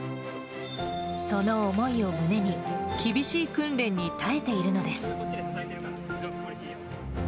その思いを胸に、厳しい訓練に耐えているのです。